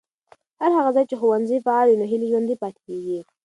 هر هغه ځای چې ښوونځي فعال وي، هیلې ژوندۍ پاتې کېږي.